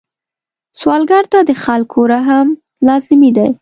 سوالګر ته د خلکو رحم لازمي دی